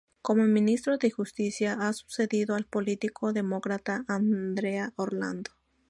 Como Ministro de Justicia ha sucedido al político demócrata Andrea Orlando.